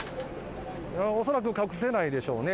恐らく隠せないでしょうね。